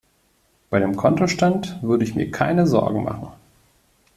Bei dem Kontostand würde ich mir keine Sorgen machen.